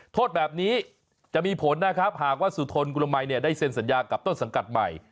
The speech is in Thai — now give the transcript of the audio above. โทษแบบนี้จะมีผลนะครับหากว่าสุธนกุลมัยได้เซ็นสัญญากับต้นสังกัดใหม่